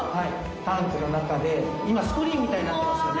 タンクの中で今スクリーンみたいになってますよね。